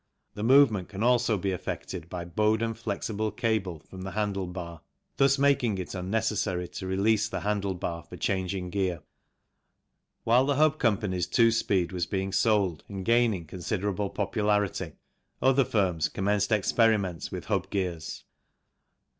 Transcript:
The movement can also be effected by Bowden flexible cable from the handle bar, thus making it unnecessary to release the handle bar for changing gear. While the Hub Co.'s two speed was being sold and gaining considerable popularity, other firms commenced experiments with hub gears.